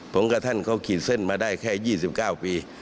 ผมกับท่านเขาขีดเส้นมาได้แค่๒๙ปี